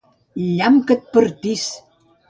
Llamp que et partís!